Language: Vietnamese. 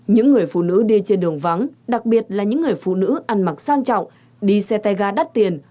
những người phụ nữ đi trên đường vắng đặc biệt là những người phụ nữ ăn mặc sang trọng đi xe tay ga đắt tiền